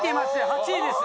８位です。